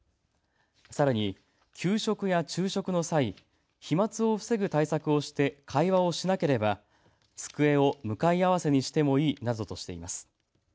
さらに、給食や昼食の際、飛まつを防ぐ対策をして会話をしなければ机を向かい合わせにしてもいいなどとしています。